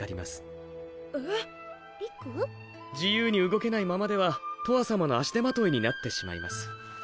自由に動けないままではとわさまの足手まといになってしまいます。